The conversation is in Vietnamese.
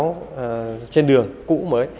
những biển báo trên đường cũ mới